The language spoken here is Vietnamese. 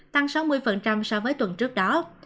tăng sáu mươi so với tuần trước đó